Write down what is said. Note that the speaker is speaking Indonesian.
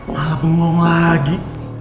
malah bengong lagi